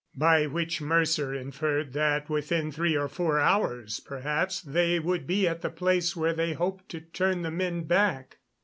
By which Mercer inferred that within three or four hours, perhaps, they would be at the place where they hoped to turn the men back.